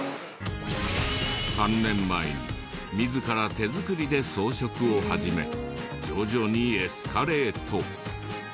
３年前に自ら手作りで装飾を始め徐々にエスカレート。